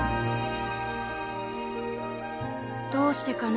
「どうしてかな